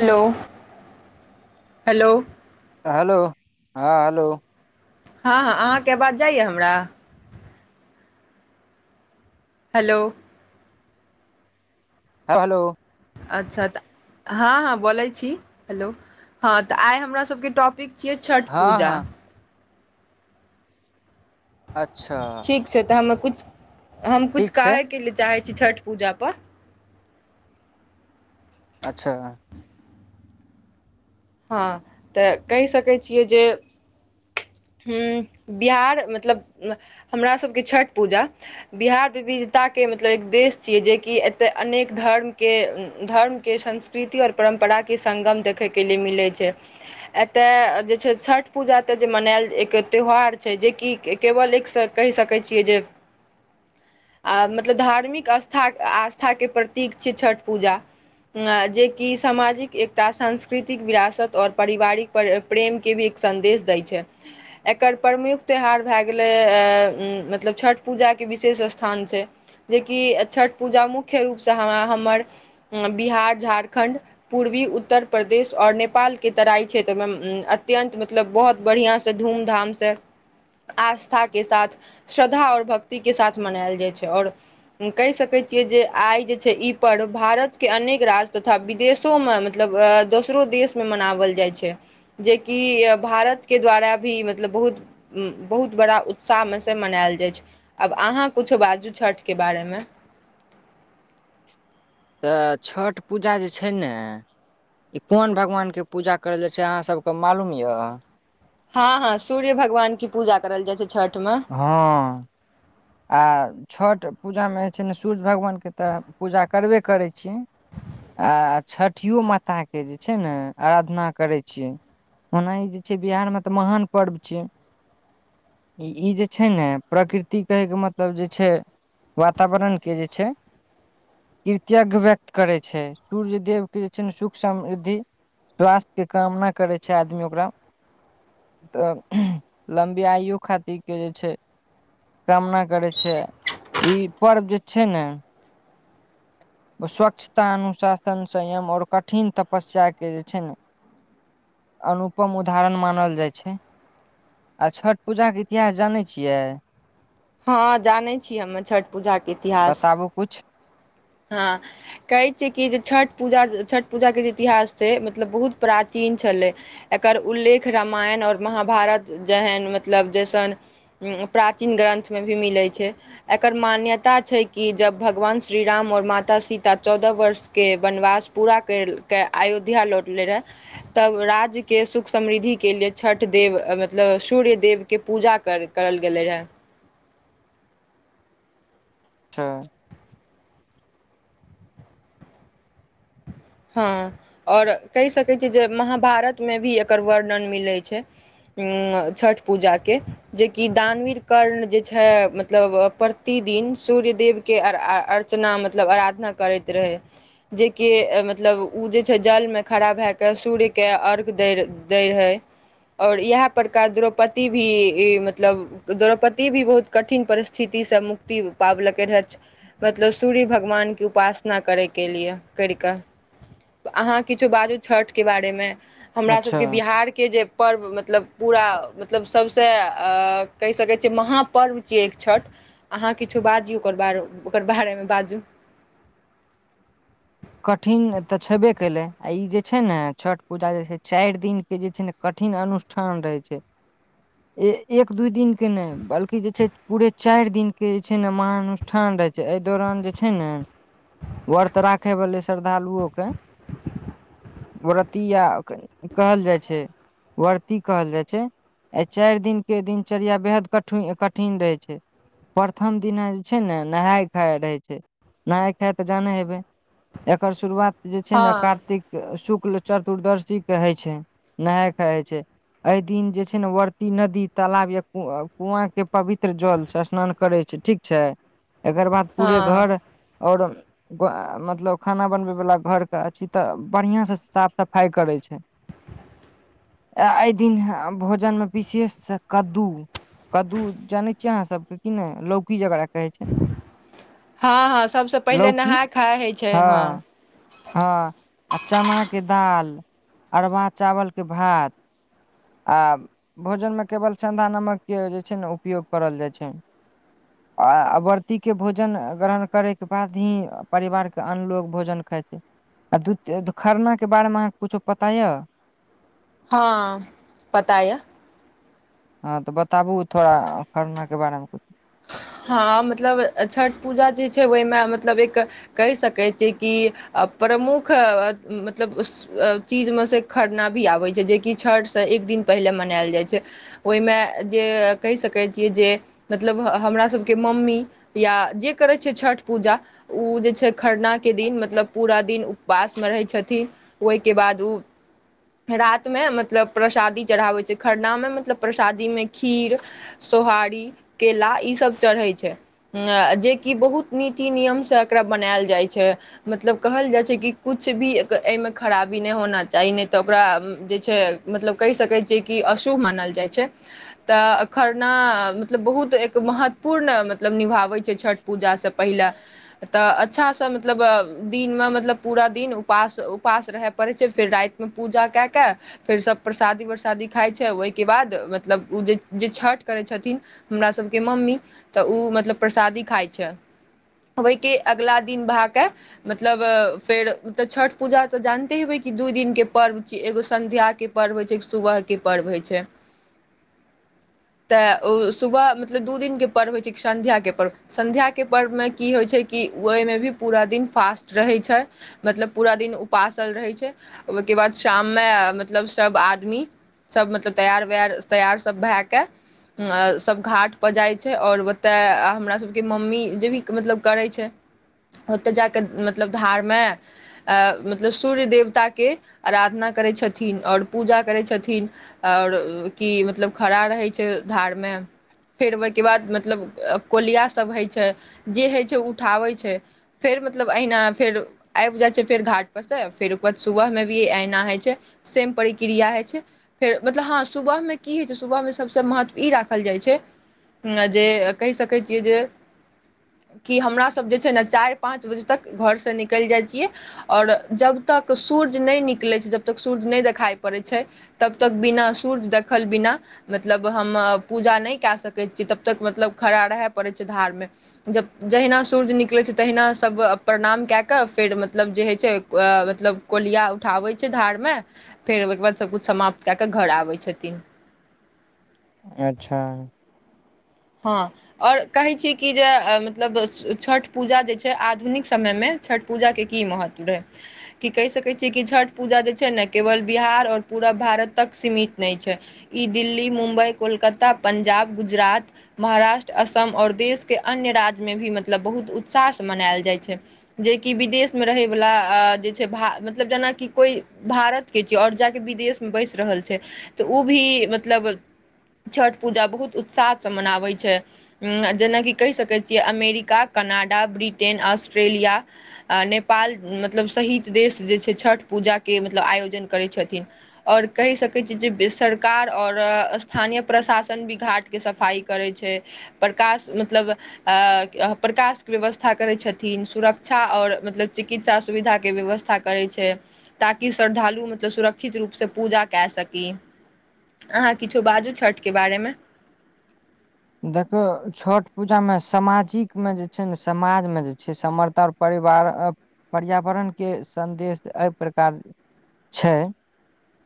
Hello hello hello हँ hello हँ अहाँके आबाज जाइया हमरा हेलो हऽ हेलो अच्छा तऽ हँ हँ बोलैय छी हेलो हँ तऽ आइ हमरा सबके टॉपिक छियौ छठ हँ पूजा हँ अच्छा ठीक छै तऽ हम किछ हम किछ ठीक छै कहैके ल लेल चाहै छी छठि पूजा पर अच्छा हँ तऽ कहि सकैय छियै जे हू बिहार मतलब हमरा सबके छठि पूजा बिहार विविधता के मतलब एक देश छियै जेकि एतय अनेक धर्मके धर्मके संस् कृति आओर परम्परा के संगम देखैके लिए मिलै छै एतय जे छै छठ पूजा तऽ जे मनायल एक त्यौहार छै जेकि केवल एकसँ कहि सकैत छियै जे आ मतलब धार्मिक अस्था आस्था के प्रतीक छै छठ पूजा जे कि सामाजिक एकता संस् पृतिक विरासत और परिवारिक प्रेम के भी एक संदेश दैय छ्य एकर प्रमुख त्यौहार भए गेलै मतलब छठ पूजाके विशेष स्थान छै जे कि छठ पूजा मुख्य रूपसँ हमरा हमर बिहार झारखण्ड पूर्वी उत्तर प्रदेश आओर नेपालके तराई क्षेत्रमे अत्यंत मतलब बहुत बढ़िआँ सँ धूमधाम से आस्था साथ श्रद्धा ओर भक्ति के साथ मनायल जाइत छै ओर कहि सके छिये जे आइ जे छै ई पर्व भारत के अनेक राज्य तथा विदेशो में मतलब दोसरो देश में मनाओल जाइत छै जे कि भारत के द्वारा भी मतलब बहुत बहुत बड़ा उत्साह मे से मनाल जाइ छै आब अहाँ किछो बाजू छठ के बारे मे तऽ छठ पूजा जे छै ने। कोन भगवान के पूजा करल जाय छनि अहा सब के मालूम ये हँ हँ सूर्य भगवान के पूजा करल जाइ छै छठ मे हँ। आ छठ पूजा मे जे छै ने सूर्य भगवानके तऽ पूजा करबे करै छिये आ छठिओ माताके जे छै ने आराधना करै छिये ओना ई जे छै बिहार मे तऽ महान पर्व छै ई जे छै ने प्रकृतिक कहैके मतलब जे छै वातावरण के जे छै कृतज्ञ व्यक्त करै छै सूर्य देव के जे छै सुख समृद्धि स्वास्थ्य के कामना करै छै आदमी ओकरा तऽ लम्बी आयु खातिर के जे छै कामना करै छै ई पर्व जे छै ने। स्वच्छता अनुशासन संयम ओर कठिन तपस्या के जे छै ने अनुपम उदाहरन मानल जाइ छै। छठ पूजा के इतिहास जानै छियै हँ जानै छी हम छठ पूजा के इतिहास बताबू कुछ हँ। कहै छियै कि जे छठ पूजा छठ पूजाके जे इतिहास छै मतलब बहुत प्राचीन छलै एकर उल्लेख रामायण ओर महाभारत जेहन मतलब जइसन प्राचीन ग्रन्थ मे भी मिले छै एकर मान्यता छै कि जब भगवान श्रीराम और माता सीता चौदह वर्ष मे के वनवास पूरा केर कऽ अयोध्या लौटलै रहै तब राज्यके सुख समृद्धिके लिए छठ देव मतलब सूर्य देवके पूजा करैत करल गेलै रहै। अच्छा [inaudible] हँ और केह सकैत छी जे महाभारत मे भी एकर वर्णन मिलैत छै। हम छठि पूजा के जे कि दानवीर कर्ण जे छै मतलब प्रतिदिन सूर्य देेव के के अर्चना मतलब आराधना करैत रहै जेकि मत मतलब ओ जे छै जलमे खड़ा भए कऽ सूर्यके अर्क दै दैत रहै। और इएह प्रकार द्रौपदी भी मतलब द्रौपदी भी बहुत कठिन परिस्थिति सँ मुक्ति पाबैलेके ने छल मतलब सूर्य भगवान के उपासना करै के लियै केर कऽ अहाँ किछो बाजू छठ के बारे मे हमरा अच्छा सबके बिहारके जे पर्व मतलब पूरा मतलब सबसे अ कहि सकै छियै महापर्व छियै एक छैठ अहाँ किछो बाजू ओकर, ओकर बारे मे बाजू कठिन तऽ छेबे कलै आ ई जे छै ने छठ पूजा जे छै चार दिन के जे छै ने कठिन अनुष्ठान रहै छै। एक दू दिन के ने बल्कि जे छै पूरे चार दिन के जे छै ने महानुश ठान रहै छै अय दौरान जे छै ने व्रत राखे वाले श्रद्धालुओ के व्रती या कहल जाइ छै व्रती कहल जाइ छै। एहि चार दिन के दिनचर्या बेहद कठिन कठिन रहै छै प्रथम दिन जे छै ने नहाय खाय रहै छै नहाय खाय ते जनै हेबै एकर शुरुआत जे छै ने हँ कार्तिक शुक्ल चतुर्शी के होइ छै नहाय खाइ होइ छै अय दिन जे छै ने वर्ती नदी तालाब या कु कुआं के पवित्र जल से स्नान करे छै ठीक छै एकर बाद पूरे हँ घर ओर मे तो खाना बनबै वला घरके अछे तऽ बढ़िआँ सँ साफ सफाइ करै छै ये दिन भोजन मे विशेष से कद्दू कद्दू जानै छियै अहाँ सबके कि नै लौकी जकरा कहे हँ हँ सबसे पहिले लौकी नहाय खाय हइ छै हाँ हँ हँ चनाके दाल अरबा चावलके भात आब भोजनमे केवल संधा नमकके जे छै ने उपयोग करल जाइत छै आ व्रती के भोजन ग्रहण करे के बाद ही परिवार के अन्य लोग भोजन खाइते आ दू खरना के बारे मे अहाँके कुछो पता यो हँ पता यो हँ तऽ बताबु थोड़ा खरना के बारे मे हँ मतलब छठ पूजा जे छै ओहिमे मतलब एक कहि सकैत छिय कि अ प्रमुख मतलब चीज मे सँ खरना भी आबै छै जेकि छठसँ एक दिन पहिले मनैल जाइ छै। ओइमे जे कहि सकै छियै जे मतलब हमरा सबके मम्मी या जे करै छै छठ पूजा ऊ जे छै खरनाके दिन मतलब पूरा दिन उपवासमे रहै छथिन। ओइके बाद रातमे मतलब प्रसादी चढ़ाबै छै खरनामे मतलब प्रसादीमे खीर सोहारी केला ई सभ चढ़ै छै जेकि बहुत नीति नियम से एकरा बनैल जाइ छै मतलब कहल जाइ छै कि कुछ भी एक अइमे खराबी नै होना चाही नहि तऽ ओकरा मतलब कहि सकै छिये कि अशुभ मानल जाइ छै तऽ खरना मतलब बहुत एक महत्वपूर्ण मतलब निभाबै छै छठ पूजासँ पहिले। तऽ अच्छा से मतलब दिनमे मतलब पूरा दिन उपास उपास रहय पड़ैत छै फेर राइत पूजा कए क सब प्रसादी वरसादी खाइ छै ओइके बाद मतलब ओ जे जे छठ करै छथिन हमरा सबके मम्मी तऽ ऊ मतलब प्रसादी खाइ छै। ओइके अगिला दिन भऽ कऽ मतलब फेर तऽ छठ पूजा तऽ जानते हेबै कि दूइ दिनके पर्व छिये एगो सन्ध्या के पर्व होइ छै एक सुबहके पर्व होइ छै तै सुबह मतलब दू दिनके पर्व होइ छै सध्याके सन्ध्या के पर्वमे की होइ छै कि ओइमे भी पूरा दिन फास्ट रहै छै मतलब पूरा दिन उपासल रहै छै ओइ के बाद शाममे मतलब सभ आदमी सब मतलब तैयार वैयार तैयार सब भैय कऽ सभ घाट पर जाइ छै और ओतऽ हमरा सभके मम्मी जे भी मतलब करै छै ओतय जा कऽ मतलब धार मे अ मतलब सूर्य देवता के आराधना करै छथिन और पूजा करै छथिन और की मतलब खड़ा रहै छै धार मे। फेर ओइके बाद मतलब कोलिया सभ होइ छै जे होइ छै ओ उठाबै छै। फेर मतलब अहिना फेर आइब जाइ छै फेर घाट पर से फेर ओकर बाद सुबहमे भी अहिना होइ छै सेम प्रक्रिया होइ छै। फेर मतलब हाँ सुबहमे की होइ छै सुबहमे सभसँ महत्व ई राखल जाइ छै छै जे कहि सकै छियै जे कि हमरा सभ जे छै ने चाइर पाँच बजे तक घरसँ निकैल जाइ छियै आओर जब तक सूर्य नै निकलै छै जब तक सूर्य नै देखाइ पड़ै छै तब तक बिना सूर्य देखल बिना मतलब हम पूजा नहि कए सकैत छियै तब तक मतलब खड़ा रहय पड़ै छै धारमे जब जहिना सूर्य निकलै छै तहिना सभ प्रणाम कए कऽ फेर मतलब जे होइ ए-छै मतलब कोलिया उठाबै छै धारमे फेर ओहिके बाद सबकुछ समाप्त कए कऽ घर आबै छथिन अच्छा हाँ आओर कहै छी कि जे मतलब छठ पूजा जे छै आधुनिक समयमे छठ पूजाके की महत्व रहै कि कहि सकै छियै की छठ पूजा जे छै ने केवल बिहार आओर पूरा भारत तक सीमित नहि छै ई दिल्ली मुम्बइ कोलकाता पंजाब गुजरात महाराष्ट्र असम आओर देशके अन्य राज्यमे भी मतलब बहुत उत्साहसँ मनायल जाइ छै जेकि विदेशमे रहैवला आ-अ-जे छै भा- मतलब जेनाकि कोइ भारतके छियै आओर जा कऽ विदेशमे बैसि रहल छै तऽ ओ भी मतलब छठ पूजा बहुत उत्साहसँ मनाबै छै जेनाकि कहि सकै छियै अमेरिका कनाडा ब्रिटेन ऑस्ट्रेलिया आ नेपाल मतलब सहित देश जे छै छठ पूजाके मतलब आयोजन करै छथिन आओर कहि सकैत छी जे सरकार आओर स्थानीय प्रशासन भी घाटके सफाई करै छै प्रकाश मतलब ए-प्रकाशके व्यवस्था करैत छथिन सुरक्षा आओर मतलब चिकित्सा सुविधाके व्यवस्था करै छै ताकि श्रद्धालु मतलब सुरक्षित रूप स पूजा केए सकी अहाँ किछो बाजू छठके बारेमे देखियौ छठ पूजामे समाजिकमे जे छै ने समाजमे जे छै समर्थ आओर परिवार पर्यावरणके संन्देश एहि प्रकार छै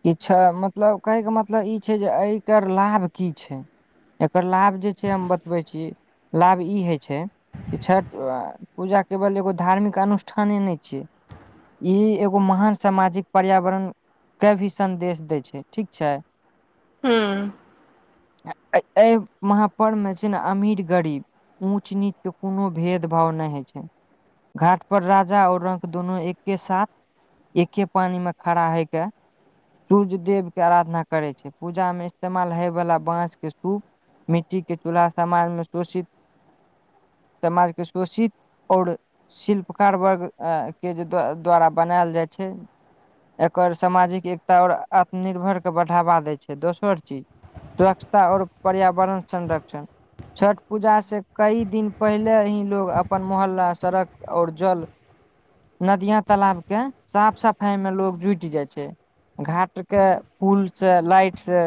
किछ मतलब कहैके मतलब ई छै जे एकर लाभ की छै एकर लाभ जे छै हम बतबै छी लाभ ई होइ छै ई छठ पूजा केवल एगो धार्मिक अनुष्ठाने ने छै ई एगो महान सामाजिक पर्यावरण के भी सदेश देै छै ठीक छै हूँ आ-ए-एहि महा पर्वमे छै ने अमीर गरीब ऊंच नीच के कोनो भेद भाव नहि होइ छै घाट पर राजा आओर रंक दुनू नो एके साथ एके पानीमे खड़ा हयके सूर्य देव के आराधना करे छै पूजामे इस्तेमाल होय वला बाँसके सूप मिट्टीके चूल्हा समाजमे शोषित समाज के शोषित आओर शिल्पकार वर्ग के जे ऐं द्वारा-द्वारा बनायल जाइ छै एकर सामाजिक एकता आओर आत्मनिर्भर के बढ़ावा दै छै दोसर चीज स्वच्छता आओर पर्यावरण संरक्षण छठ पूजा से कई दिन पहिले ही लोग अपन मोहल्ला आ सड़क आओर जल नदिआर तालाब के साफ सफाई मे लोग जुट जाइ छै घाटके पुल से लाइट से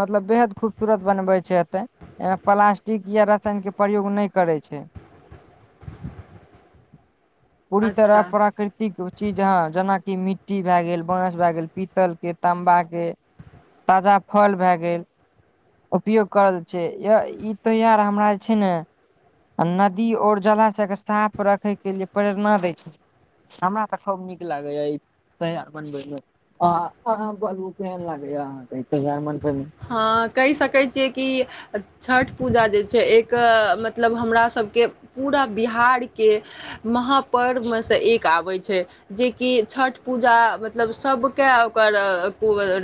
मतलब बेहद खूब तुरत बनबै छै एते एहिमे प्लास्टिक या रसायनके प्रयोग नहि करै छै [unintelligible] पुरी तरह अच्छा प्राकृ- की कहु चीज हाँ जेनाकि मिट्टी भए गेल बाँस भए गेल पीतल के ताम्बा के ताजा फल भए गेल उपयोग करल छै य ई तोयार हमरा जे छै ने नदी और जलाशयके सांप रखै के लिए प्रेरणा दै छै हमरा त खूब नीक लागै या इ तां अपन बिजनेस आँ-आँ बनबु केहन लागे या अहाँके डायमंड बनबै मे हाँ कहि सकै छियै कि छठि पूजा जे छै एक मतलब हमरासभके पूरा बिहारके महापर्वमे सँ एक आबै छै जेकि छठि पूजा मतलब सभके ओकर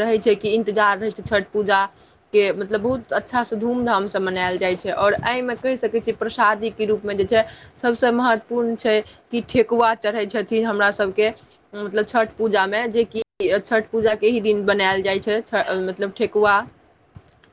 रहैत छै कि इन्तजार रहैत छै छठि पूजा के मतलब बहुत अच्छासँ धूम धामसँ मनायल जाइ छै आओर एहिमे कहि सकै छियै प्रसादीके रूपमे जे छै सबसँ महत्वपूर्ण छै कि ठेकुआ चढ़ै छथिन हमरा सब सबके मतलब छठ पूजामे जेकि छठ पूजा के ही दिन बनायल जाय छै की छे मतलब ठेकुआ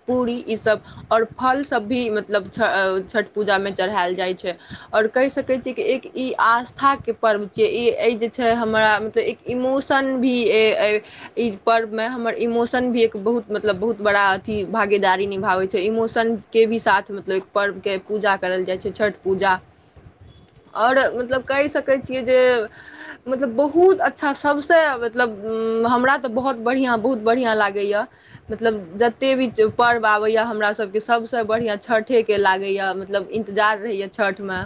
पूरी ई सब आओर फल सभ भी मतलब छ-छठि पूजामे चढ़ाएल जाइ छै आओर कहि सकै छियै कि एक ई आस्थाके पर्व छियै ई जे छै हमरा मतलब एक इमोशन भी ऐ-ई पर्वमे हमर इमोशन भी एक बहुत मतलब बहुत बड़ा अथी भागेदारी निभाबै छै इमोशनके भी साथ मतलब एक पर्वके पूजा करल जाइ छै छठ पूजा आओर मतलब कहि सकै छियै जे मतलब बहुत अच्छा सभसँ मतलब हमरा त बहुत बढ़ियाँ बहुत बढ़ियाँ लागै आ मतलब जतेक भी पर्व आबै या हमरा सभके सभसँ बढ़ियाँ छठेके के लागैए मतलब इन्तजार रहै या छठमे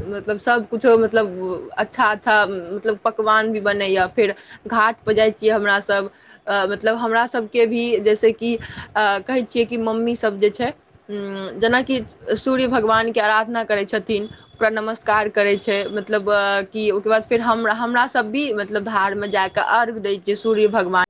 मतलब सभ कुछो मतलब अच्छा अच्छा मतलब पकवान भी बनै या फेर घाटपर जाइ छियै हमरा सभ मतलब हमरा सभ के भी जैसे की अ- कहै छियै कि मम्मी सभ जे छै हूँउं जेनाकि सूर्य भगवानके आराधना करै छथिन पर नमस्कार करै छै मतलब कि ओकर बाद फेर हम हमरासभ भी मत- -लब धारमे जाक अर्घ दै छियै सूर्य भगवान